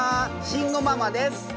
慎吾ママです。